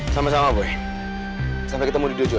sama sama boy sampai ketemu di dojo ya